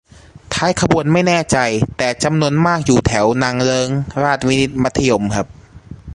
ท้ายขบวนไม่แน่ใจ แต่จำนวนมากอยู่แถวนางเลิ้ง ราชวินิต มัธยม ครับ